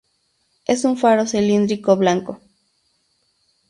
Es un faro cilíndrico blanco.